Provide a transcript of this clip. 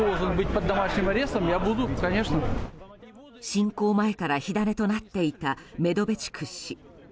侵攻前から火種となっていたメドベチュク氏。